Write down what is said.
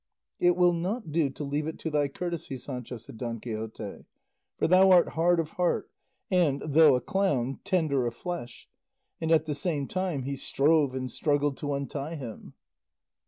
"It will not do to leave it to thy courtesy, Sancho," said Don Quixote, "for thou art hard of heart and, though a clown, tender of flesh;" and at the same time he strove and struggled to untie him.